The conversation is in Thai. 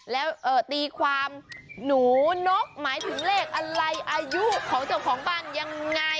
แล้วตีความหนูนกหมายถึงเลขอะไรอายุของเจ้าของบ้านยังไง